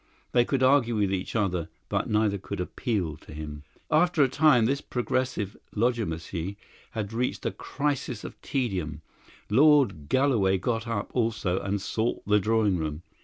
They could argue with each other, but neither could appeal to him. After a time this "progressive" logomachy had reached a crisis of tedium; Lord Galloway got up also and sought the drawing room.